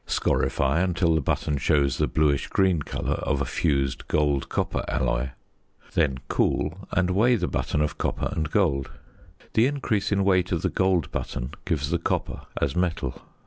Scorify until the button shows the bluish green colour of a fused gold copper alloy. Then cool, and weigh the button of copper and gold. The increase in weight of the gold button gives the copper as metal.